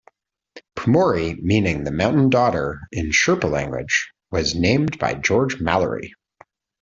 Pumori, meaning "the Mountain Daughter" in Sherpa language, was named by George Mallory.